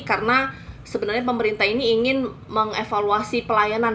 karena sebenarnya pemerintah ini ingin mengevaluasi pelayanan